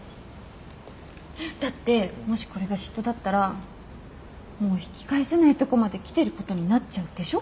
だってもしこれが嫉妬だったらもう引き返せないとこまで来てることになっちゃうでしょ？